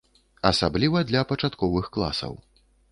Асабліва для пачатковых класаў.